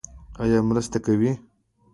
ایا مرسته کوئ؟